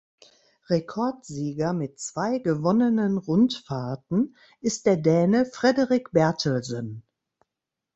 Rekordsieger mit zwei gewonnenen Rundfahrten ist der Däne Frederik Bertelsen.